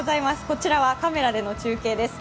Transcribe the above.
こちらはカメラでの中継です。